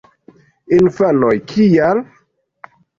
Infanoj: "Kial???"